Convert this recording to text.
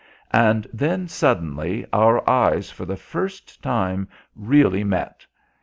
And then, suddenly, our eyes for the first time, really met.